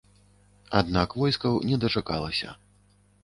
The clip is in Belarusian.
Аднак войскаў не дачакалася.